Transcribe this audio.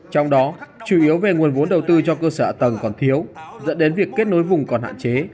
trong đó chủ yếu về nguồn vốn đầu tư cho cơ sở ạ tầng còn thiếu dẫn đến việc kết nối vùng còn hạn chế